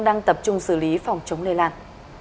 đang tập trung xử lý phòng chống lây lạt